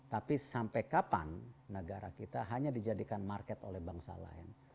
tapi sampai kapan negara kita hanya dijadikan market oleh bangsa lain